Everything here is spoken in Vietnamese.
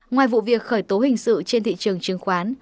ngoài vụ việc khởi tố hình sự trên thị trường chứng khoán